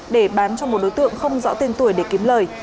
để bán cho một đối tượng không rõ tên tuổi để kiếm lời